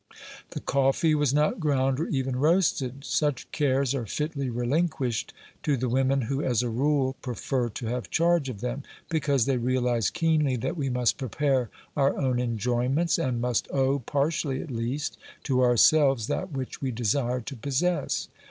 The coffee was not ground or even roasted. Such cares are fitly relinquished to the women who, as a rule, prefer to have charge of them, because they realise keenly that we must prepare our own enjoyments, and must owe, partially at least, to ourselves that which we desire to possess